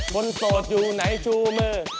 โสดอยู่ไหนชูมือ